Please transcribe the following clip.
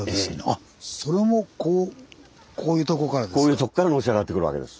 あっこういうとこからのし上がってくるわけです。